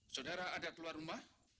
saudara ada keluar rumah